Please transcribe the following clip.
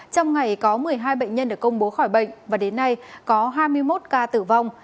trong ngày có một mươi hai bệnh nhân được công bố khỏi bệnh và đến nay có hai mươi một ca tử vong